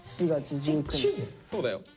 そうだよ。